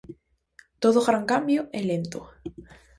Todo gran cambio é lento.